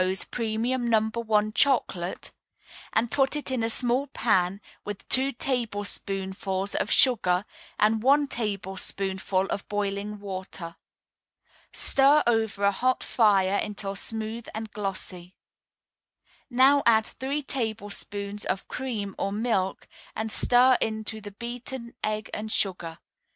's Premium No. 1 Chocolate, and put it in a small pan with two tablespoonfuls of sugar and one tablespoonful of boiling water. Stir over a hot fire until smooth and glossy. Now add three tablespoonfuls of cream or milk, and stir into the beaten egg and sugar.